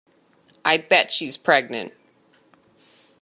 I bet she's pregnant!